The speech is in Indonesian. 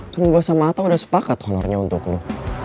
kan gue sama ata udah sepakat honornya untuk lo